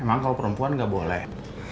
emang kalau perempuan nggak boleh